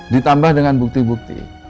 ditambah dengan bukti bukti